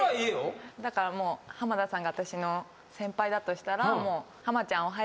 だからもう浜田さんが私の先輩だとしたらもう。